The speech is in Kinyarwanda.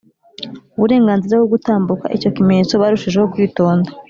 uburengazira bwo gutambuka icyo kimenyetso barushijeho kwitonda.